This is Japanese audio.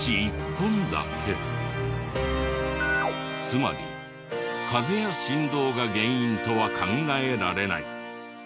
つまり風や振動が原因とは考えられない。